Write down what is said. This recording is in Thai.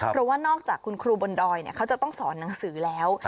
เพราะว่านอกจากคุณครูบนดอยเขาจะต้องสอนหนังสือแล้ว